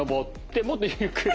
もっとゆっくり。